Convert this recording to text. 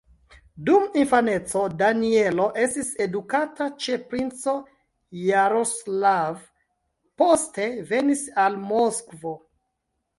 Dum infaneco Danielo estis edukata ĉe princo Jaroslav, poste venis al Moskvo.